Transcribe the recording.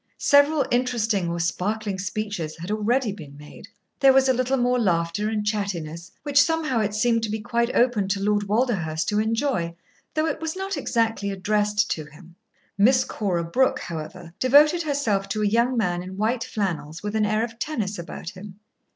Several interesting or sparkling speeches had already been made. There was a little more laughter and chattiness, which somehow it seemed to be quite open to Lord Walderhurst to enjoy, though it was not exactly addressed to him. Miss Cora Brooke, however, devoted herself to a young man in white flannels with an air of tennis about him.